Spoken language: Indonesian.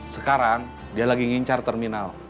sekarang dia lagi ngincar terminal